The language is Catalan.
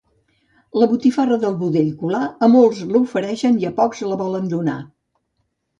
La botifarra del budell cular, a molts l'ofereixen i a pocs la volen donar.